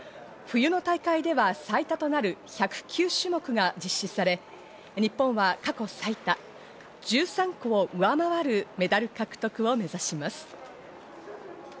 冬の大会では最多となる１０９種目が実施され、日本は過去最多の１３個を上回るメダル獲得を目指します。